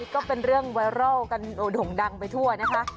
ก็เป็นเรื่องไวรัลกันด่งดังไปทั่วนะคะ